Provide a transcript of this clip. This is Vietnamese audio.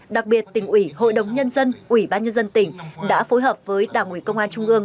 đặc biệt tỉnh ủy hội đồng nhân dân ủy ban nhân dân tỉnh đã phối hợp với đảng ủy công an trung ương